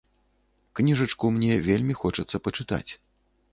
Кніжачку мне вельмі хочацца пачытаць.